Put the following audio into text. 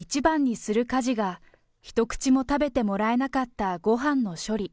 朝起きて、一番にする家事が、一口も食べてもらえなかったごはんの処理。